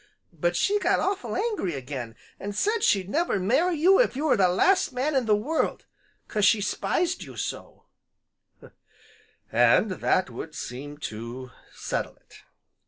But she got awful angry again an' said she'd never marry you if you were the last man in the world 'cause she 'spised you so " "And that would seem to settle it!"